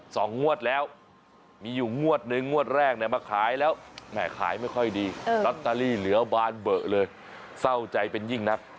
สองงวดแล้วมีอยู่งวดหนึ่งงวดแรก